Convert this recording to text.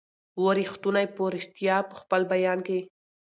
وو ریښتونی په ریشتیا په خپل بیان کي